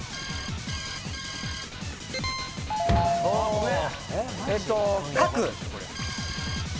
ごめん。